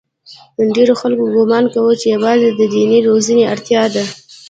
ډېرو خلکو ګومان کاوه چې یوازې د دیني روزنې اړتیا ده.